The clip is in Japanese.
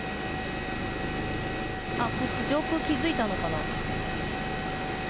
こっち、上空気付いたのかな。